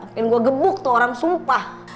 pengen gue gebuk tuh orang sumpah